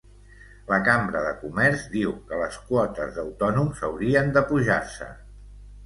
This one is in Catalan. La Cambra de Comerç diu que les quotes d'autònoms haurien d'apujar-se